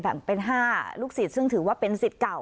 แบ่งเป็น๕ลูกศิษย์ซึ่งถือว่าเป็นสิทธิ์เก่า